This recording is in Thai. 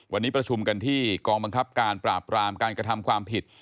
วันนี้ประชุมกันที่กองบังคับการปราบรามการกระทำความผิด